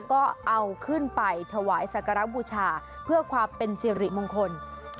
ก็เอาขึ้นไปถวายสักการบูชาเพื่อความเป็นสิริมงคล